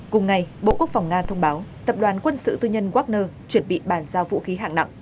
cùng ngày bộ quốc phòng nga thông báo tập đoàn quân sự tư nhân wagner chuẩn bị bàn giao vũ khí hạng nặng